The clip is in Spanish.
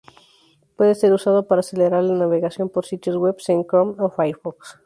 Puede ser usado para acelerar la navegación por sitios webs en Chrome o Firefox.